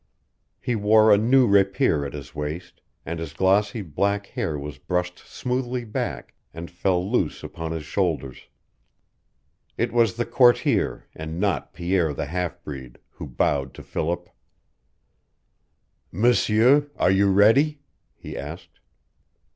He wore a new rapier at his waist, and his glossy black hair was brushed smoothly back, and fell loose upon his shoulders. It was the courtier, and not Pierre the half breed, who bowed to Philip. "M'sieur, are you ready?" he asked.